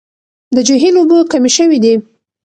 د جهيل اوبه کمې شوې دي.